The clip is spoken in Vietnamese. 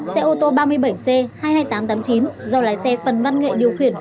xe ô tô ba mươi bảy c hai mươi hai nghìn tám trăm tám mươi chín do lái xe phần văn nghệ điều khiển